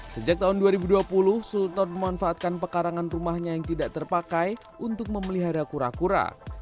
sejak tahun dua ribu dua puluh sultan memanfaatkan pekarangan rumahnya yang tidak terpakai untuk memelihara kura kura